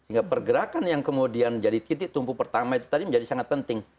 sehingga pergerakan yang kemudian jadi titik tumpu pertama itu tadi menjadi sangat penting